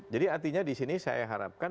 jadi artinya di sini saya harapkan